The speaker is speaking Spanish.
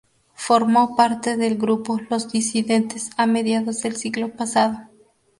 Formó parte del grupo Los disidentes a mediados del siglo pasado.